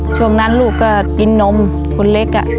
ช่วงนั้นลูกก็กินนมคนเล็ก